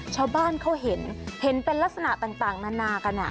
ชาวบ้านเขาเห็นเห็นเป็นลักษณะต่างนานากัน